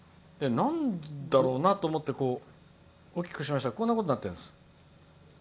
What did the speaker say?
なんだろうなと思って大きくしましたらこんなことになってるんです。